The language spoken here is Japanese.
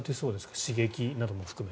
刺激なども含めて。